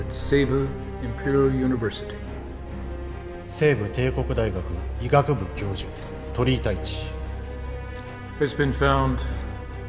西部帝国大学医学部教授鳥居太一。